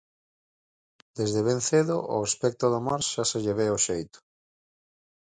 Desde ben cedo, ao aspecto do mar xa se lle ve o xeito.